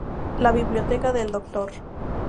La biblioteca del Dr.